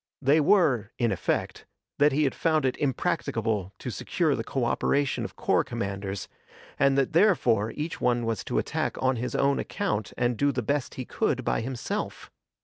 They were, in effect, that he had found it impracticable to secure the co operation of corps commanders, and that, therefore, each one was to attack on his own account and do the best he could by himself.